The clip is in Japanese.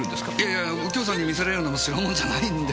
いや右京さんに見せられるような代物じゃないんで。